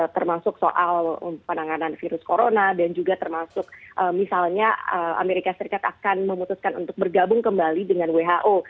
termasuk soal penanganan virus corona dan juga termasuk misalnya amerika serikat akan memutuskan untuk bergabung kembali dengan who